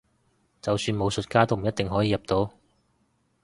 就算武術家都唔一定可以入到